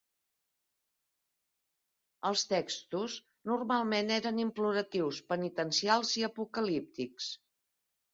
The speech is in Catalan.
Els textos normalment eren imploratius, penitencials i apocalíptics.